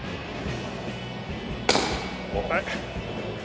あれ？